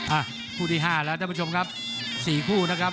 อ่ะคู่ที่๕แล้วท่านผู้ชมครับสี่คู่นะครับ